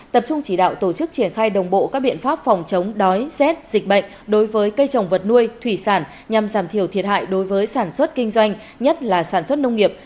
tập trung chỉ đạo tổ chức triển khai đồng bộ các biện pháp phòng chống đói rét dịch bệnh đối với cây trồng vật nuôi thủy sản nhằm giảm thiểu thiệt hại đối với sản xuất kinh doanh nhất là sản xuất nông nghiệp